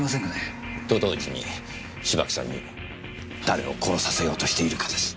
と同時に芝木さんに誰を殺させようとしているかです。